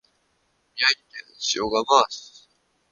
宮城県塩竈市